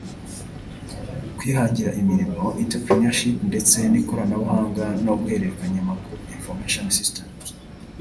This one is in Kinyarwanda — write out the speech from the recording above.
Kwihangira Imirimo (Entrepreneurship) ndetse n’Ikoranabuhanga no guhererekanya amakuru (Information Systems)